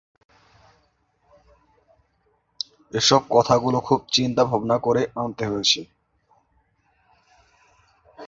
এসব কথাগুলো খুব চিন্তা-ভাবনা করে আনতে হয়েছে।